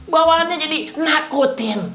bawangannya jadi nakutin